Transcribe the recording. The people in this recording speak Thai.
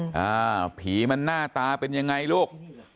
หล่ะผีมันหน้าตาเป็นอย่างไรลูก